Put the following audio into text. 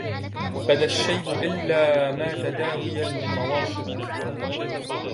بدا الشيب إلا ما تداوي المواشط